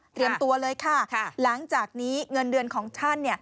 ตัวเลยค่ะหลังจากนี้เงินเดือนของท่าน